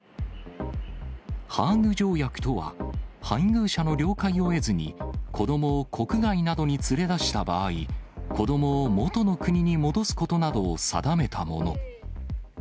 ハーグ条約とは、配偶者の了解を得ずに、子どもを国外などに連れ出した場合、子どもを元の国に戻すことなどを定めたもの。